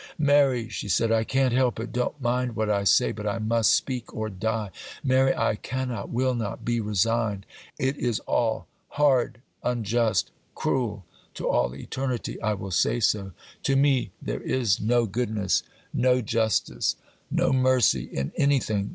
'Mary,' she said, 'I can't help it,—don't mind what I say, but I must speak or die! Mary, I cannot, will not, be resigned!—it is all hard, unjust, cruel!—to all eternity I will say so! To me there is no goodness, no justice, no mercy in anything!